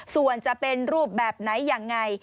ส่วนจะเป็นรูปแบบไหนยังไง